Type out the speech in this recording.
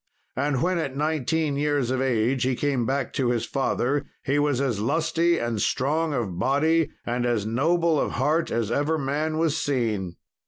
And when at nineteen years of age he came back to his father, he was as lusty and strong of body and as noble of heart as ever man was seen.